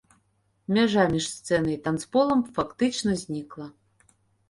Мяжа між сцэнай і танцполам фактычна знікла.